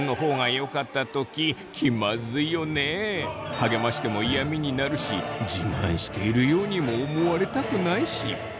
励ましても嫌みになるし自慢しているようにも思われたくないし。